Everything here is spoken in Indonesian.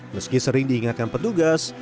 meski sering diingatkan petugas